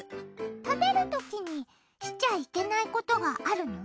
食べるときにしちゃいけないことがあるの？